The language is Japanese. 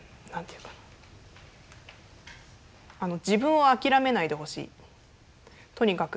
自分を諦めないでほしいとにかく。